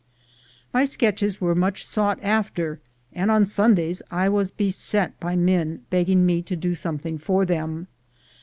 My sketches were much sought after, and on Sundays I was beset by men begging me to do something for them.